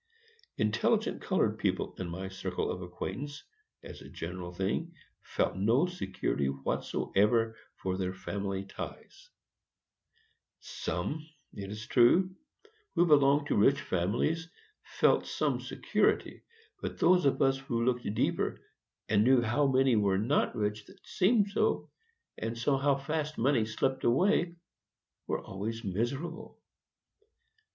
Intelligent colored people in my circle of acquaintance, as a general thing, felt no security whatever for their family ties. Some, it is true, who belonged to rich families, felt some security, but those of us who looked deeper, and knew how many were not rich that seemed so, and saw how fast money slipped away, were always miserable.